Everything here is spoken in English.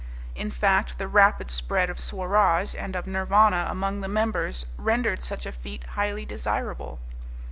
In fact, the rapid spread of Swaraj and of Nirvana among the members rendered such a feat highly desirable.